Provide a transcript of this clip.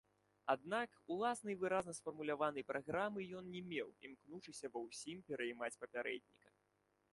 Аднак, уласнай выразна сфармуляванай праграмы ён не меў, імкнучыся ва ўсім пераймаць папярэдніка.